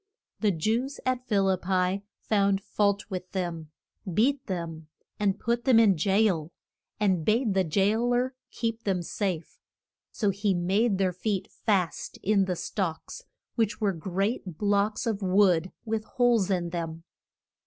The Jews at Phil ip pi found fault with them, beat them and put them in jail, and bade the jail er keep them safe. So he made their feet fast in the stocks which were great blocks of wood with holes in them.